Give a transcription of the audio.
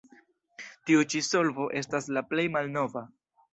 Tiu ĉi solvo estas la plej malnova.